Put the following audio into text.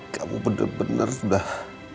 kamu bener bener sudah